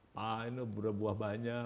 pak ini berapa banyak